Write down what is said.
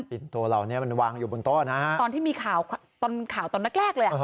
อินโทรเหล่านี้มันวางอยู่บนโต๊ะนะฮะตอนที่มีข่าวตอนข่าวตอนแรกแรกเลยอ่ะ